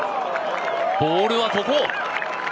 ボールはここ！